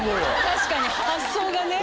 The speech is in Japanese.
確かに発想がね。